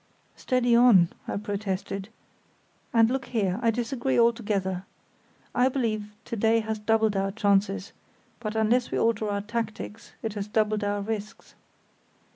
"Steady on," I protested; "and, look here, I disagree altogether. I believe to day has doubled our chances, but unless we alter our tactics it has doubled our risks.